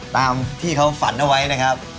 ตามที่เขาฝันเอาไว้นะครับ